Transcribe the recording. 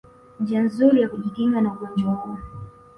njia nzuri ya kujikinga na ugonjwa huu